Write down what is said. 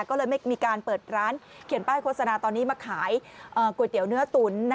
ก็เลยไม่มีการเปิดร้านเขียนป้ายโฆษณาตอนนี้มาขายก๋วยเตี๋ยวเนื้อตุ๋น